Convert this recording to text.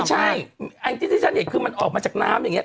ใช่ไอ้ที่ที่ฉันเห็นคือมันออกมาจากน้ำอย่างนี้